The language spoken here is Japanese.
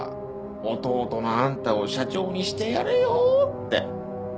弟のあんたを社長にしてやれよって。